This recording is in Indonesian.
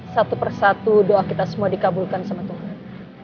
satu persatu doa kita semua dikabulkan sama tuhan